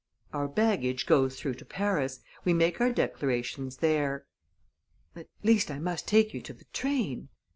"Our baggage goes through to Paris we make our declarations there." "At least, I must take you to the train."